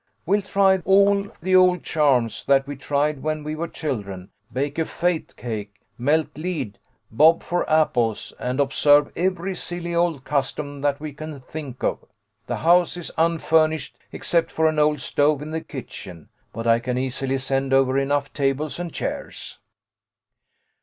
We'll try all the old charms that we tried when we were children ; bake a fate cake, melt lead, bob for apples, and observe every silly old custom that we can think of. The house is unfur nished except for an old stove in the kitchen, but I can easily send over enough tables and chairs."